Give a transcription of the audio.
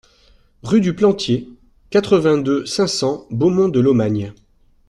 Rue du Plantié, quatre-vingt-deux, cinq cents Beaumont-de-Lomagne